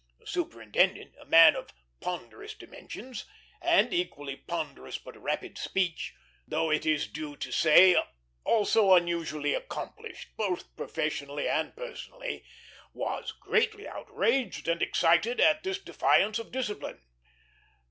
The superintendent, a man of ponderous dimensions, and equally ponderous but rapid speech though it is due to say also unusually accomplished, both professionally and personally was greatly outraged and excited at this defiance of discipline.